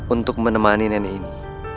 untuk menemani nenek ini